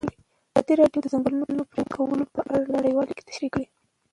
ازادي راډیو د د ځنګلونو پرېکول په اړه نړیوالې اړیکې تشریح کړي.